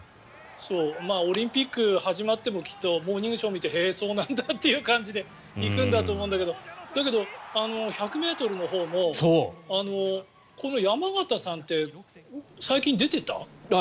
オリンピックが始まってもきっと「モーニングショー」を見てへえ、そうなんだという感じで行くんだと思うけどだけどやっぱり１００ｍのほうもこの山縣さんって最近、出てた？